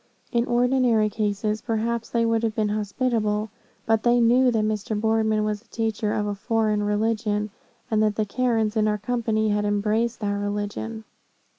In ordinary cases, perhaps, they would have been hospitable; but they knew that Mr. Boardman was a teacher of a foreign religion, and that the Karens in our company had embraced that religion.